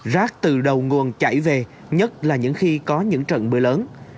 rác từ đầu nguồn chảy về nhất là những khi có những trận mưa lớn